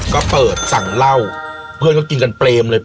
ก็เปิดสั่งเหล้าเพื่อนก็กินกันเปรมเลย